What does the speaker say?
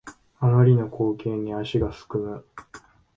あまりの光景に足がすくむ